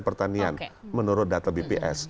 pertanian menurut data bps